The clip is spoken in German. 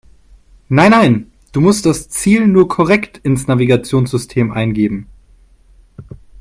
Nein, nein, du musst das Ziel nur korrekt ins Navigationssystem eingeben.